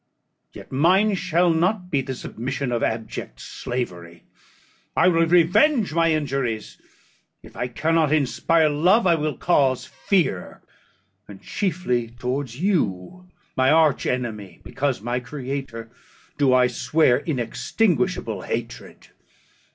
Yet mine shall not be the submission of abject slavery. I will revenge my injuries: if I cannot inspire love, I will cause fear; and chiefly towards you my arch enemy, because my creator, do I swear inextinguishable hatred.